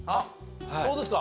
そうですか。